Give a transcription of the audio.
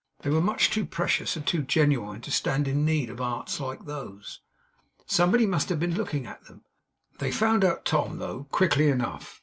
They were much too precious and too genuine to stand in need of arts like those. Somebody must have been looking at them! They found out Tom, though, quickly enough.